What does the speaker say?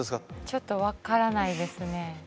ちょっと分からないですね。